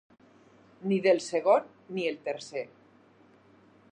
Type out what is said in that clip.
Ni del segon, ni el tercer.